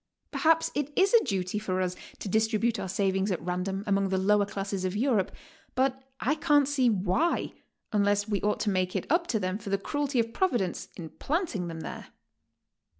Perhaps it is a duty for us to distribute our savings at random among the lower classes of Europe, but I can't see why, unless we ought to make it up to them for the cruelty of Providence in planting them there.